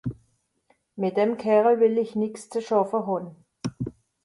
Mìt dem Kerl wìll ìch nìx ze schàffe hàn.